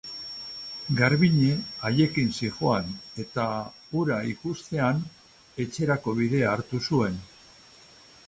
Garbiñe haiekin zihoan eta, hura ikustean, etxerako bidea hartu zuen.